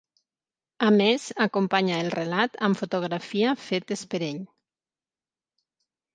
A més acompanya el relat amb fotografia fetes per ell.